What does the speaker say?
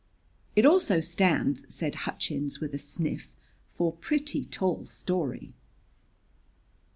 "It also stands," said Hutchins, with a sniff, "for Pretty Tall Story."